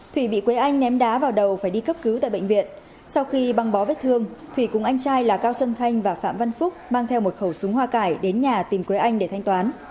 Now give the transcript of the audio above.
thủy bị quế anh ném đá vào đầu phải đi cấp cứu tại bệnh viện sau khi băng bó vết thương thủy cùng anh trai là cao xuân thanh và phạm văn phúc mang theo một khẩu súng hoa cải đến nhà tìm quế anh để thanh toán